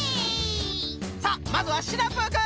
さあまずはシナプーくん！